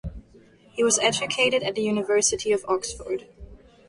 He was educated at the University of Oxford.